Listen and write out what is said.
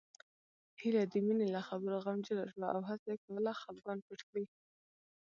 هيله د مينې له خبرو غمجنه شوه او هڅه يې کوله خپګان پټ کړي